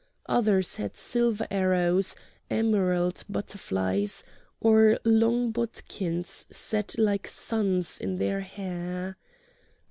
Others had silver arrows, emerald butterflies, or long bodkins set like suns in their hair.